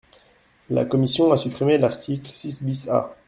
La commission a supprimé l’article six bis A.